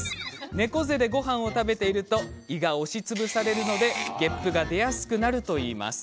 猫背で、ごはんを食べると胃が押しつぶされるのでげっぷが出やすくなるといいます。